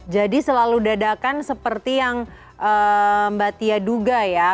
jadi selalu dadakan seperti yang mbak tia duga ya